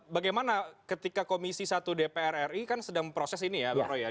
bagaimana ketika komisi satu dpr ri kan sedang memproses ini ya bang roy ya